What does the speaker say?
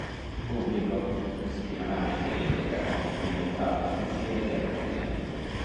Pubblico, un settimanale che integra diventato mensile di approfondimento.